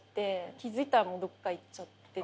気付いたらもうどっかいっちゃってて。